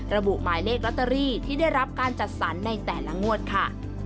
ระบุหมายเลขลอตเตอรี่ที่ได้รับการจัดสรรในแต่ละงวดค่ะ